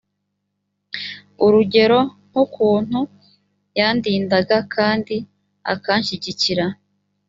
urugero nk ukuntu yandindaga kandi akanshyigikira